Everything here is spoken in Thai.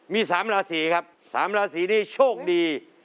มี๓ราศีครับ๓ราศีที่โชคดี